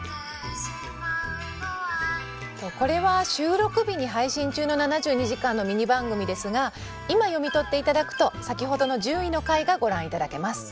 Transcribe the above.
これは収録日に配信中の「７２時間」のミニ番組ですが今読み取って頂くと先ほどの１０位の回がご覧頂けます。